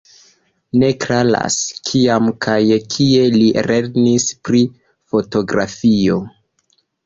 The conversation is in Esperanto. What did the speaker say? Ne klaras, kiam kaj kie li lernis pri fotografio.